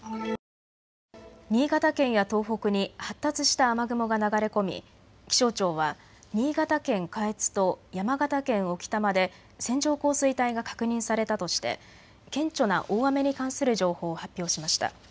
新潟県や東北に発達した雨雲が流れ込み気象庁は新潟県下越と山形県置賜で線状降水帯が確認されたとして顕著な大雨に関する情報を発表しました。